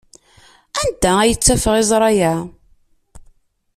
Anda ay ttafeɣ iẓra-a?